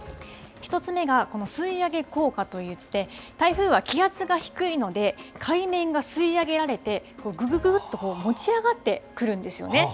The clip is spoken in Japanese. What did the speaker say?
１つ目がこの吸い上げ効果といって台風は気圧が低いので海面が吸い上げられてぐぐぐっと持ち上がってくるんですよね。